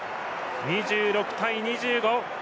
２６対２５。